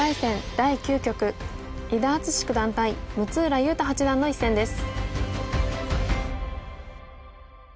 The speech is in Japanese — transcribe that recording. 第９局伊田篤史九段対六浦雄太八段の一戦です。